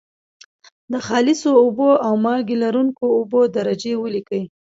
د خالصو اوبو او مالګې لرونکي اوبو درجې ولیکئ.